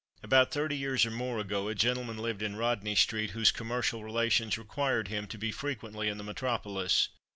About thirty years, or more, ago, a gentleman lived in Rodney street, whose commercial relations required him to be frequently in the metropolis.